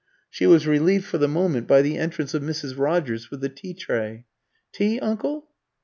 She was relieved for the moment by the entrance of Mrs. Rogers with the tea tray. "Tea, uncle?"